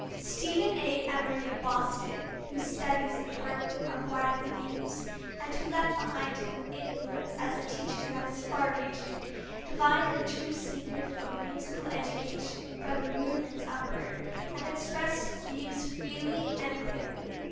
Stephen A. Emory of Boston, whose studies in harmony are widely used, and who left behind him an influence as a teacher that is far reaching, divined the true secret of musical education, from the rudiments upward, and expressed his views freely and clearly.